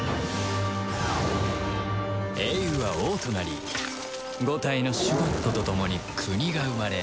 英雄は王となり５体のシュゴッドと共に国が生まれ